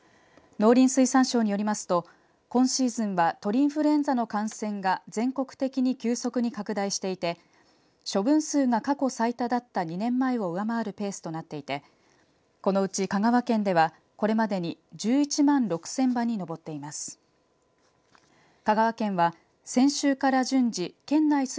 農林水産省によりますと今シーズンは鳥インフルエンザの感染が全国的に急速に拡大していて処分数が過去最多だった２年前を上回るペースとなっていてこのうち香川県ではこれまでに１１万６０００羽に上っています。